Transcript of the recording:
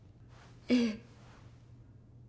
ええ。